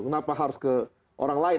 kenapa harus ke orang lain